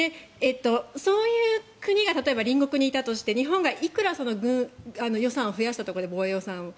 そういう国が例えば隣国にいたとして、日本がいくら予算を増やしたところで防衛予算を。